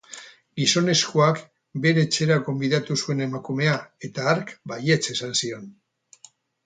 Gizonezkoak bere etxera gonbidatu zuen emakumea, eta hark baietz esan zion.